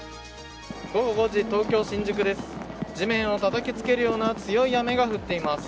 午後５時、東京・新宿です。